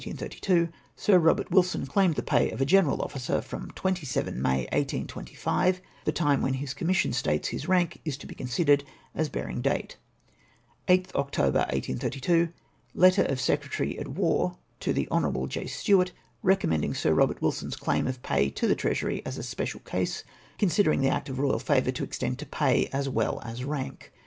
— Sir Eobert Wilson claimed the pay of a General Officer from 27th May, 1825, the time when his commission states his rank is to be considered as bearing date. ''8th October, 1832. — Letter of Secretary at War to the Hon, J. Stewart, recommending Sir Robert Wilson's claim of pay to the Treasury as a special case, considering the act of Royal favour to contend to pay as luell cts rank.